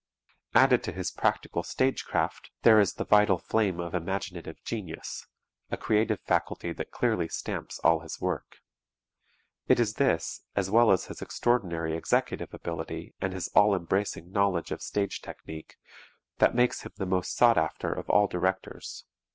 Added to his practical stage craft there is the vital flame of imaginative genius, a creative faculty that clearly stamps all his work. It is this, as well as his extraordinary executive ability and his all embracing knowledge of stage technique, that makes him the most sought after of all directors.